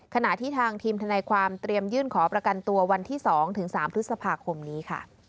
ขณะที่ทางทีมทนายความเตรียมยื่นขอประกันตัววันที่๒ถึง๓พฤษภาคมนี้ค่ะ